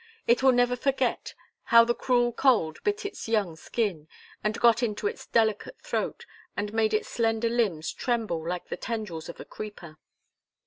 It will never forget how the cruel cold bit its young skin, and got into its delicate throat, and made its slender limbs tremble like the tendrils of a creeper.